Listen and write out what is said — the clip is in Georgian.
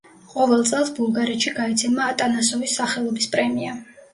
ყოველ წელს, ბულგარეთში გაიცემა ატანასოვის სახელობის პრემია.